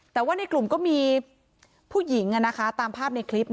แต่ว่าในกลุ่มก็มีผู้หญิงตามภาพในคลิป